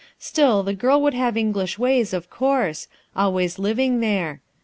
Still, the girl would have English ways, of course, always living there.